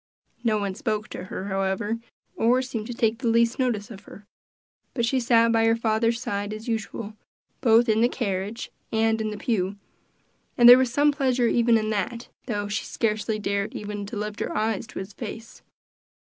No one spoke to her, however, or seemed to take the least notice of her; but she sat by her father's side, as usual, both in the carriage and in the pew, and there was some pleasure even in that, though she scarcely dared even to lift her eyes to his face.